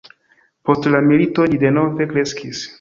Post la milito ĝi denove kreskis.